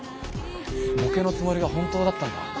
ボケのつもりが本当だったんだ。